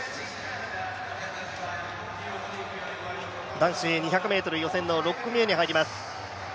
男子２００ｍ予選６組目に入ります。